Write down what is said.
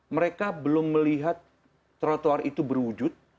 mereka belum melihat trotoar itu berwujud